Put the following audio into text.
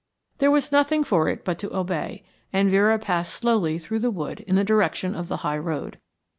There was nothing for it but to obey, and Vera passed slowly through the wood in the direction of the high road.